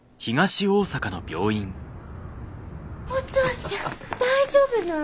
お父ちゃん大丈夫なん？